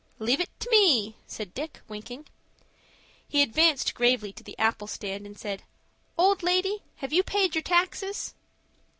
"Leave it to me," said Dick, winking. He advanced gravely to the apple stand, and said, "Old lady, have you paid your taxes?"